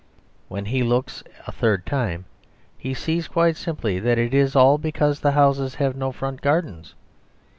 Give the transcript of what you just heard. When he looks a third time he sees quite simply that it is all because the houses have no front gardens.